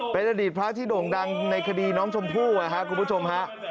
เป็นอดีตพระที่โด่งดังในคดีน้องชมพู่นะครับคุณผู้ชมฮะ